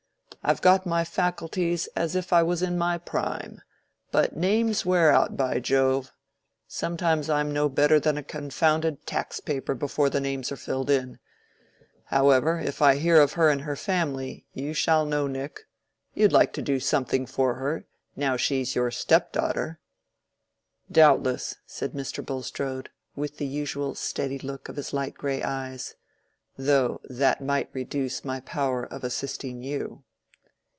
I've got my faculties as if I was in my prime, but names wear out, by Jove! Sometimes I'm no better than a confounded tax paper before the names are filled in. However, if I hear of her and her family, you shall know, Nick. You'd like to do something for her, now she's your step daughter." "Doubtless," said Mr. Bulstrode, with the usual steady look of his light gray eyes; "though that might reduce my power of assisting you."